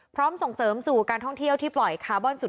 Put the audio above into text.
ส่งเสริมสู่การท่องเที่ยวที่ปล่อยคาร์บอนสุด